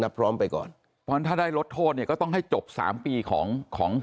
นับพร้อมไปก่อนถ้าได้ลดโทษเนี่ยก็ต้องให้จบ๓ปีของของ